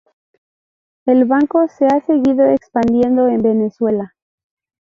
El banco se ha seguido expandiendo en Venezuela.